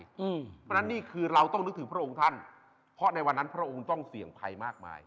เพราะฉะนั้นนี่คือเราต้องนึกถึงพระองค์ท่านเพราะในวันนั้นพระองค์ต้องเสี่ยงภัยมากมาย